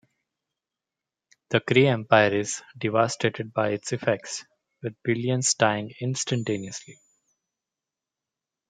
The Kree Empire is devastated by its effects, with billions dying instantaneously.